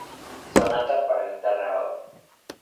Sonata para guitarra op.